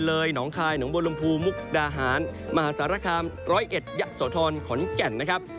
เหลยหนองคายหนูบลงพูมุกดาหารมหาศาลคามร้อยเอ็ดยะโสทรขนแก่นนะครับ